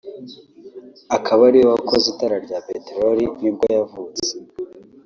akaba ariwe wakoze itara rya petelori ni bwo yavutse